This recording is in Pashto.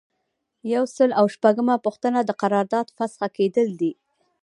یو سل او شپږمه پوښتنه د قرارداد فسخه کیدل دي.